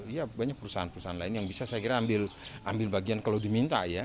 iya banyak perusahaan perusahaan lain yang bisa saya kira ambil bagian kalau diminta ya